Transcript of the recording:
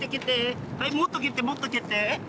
はいもっと蹴ってもっと蹴って。